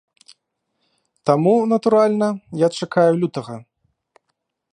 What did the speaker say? Таму, натуральна, я чакаю лютага.